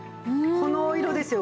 このお色ですよ。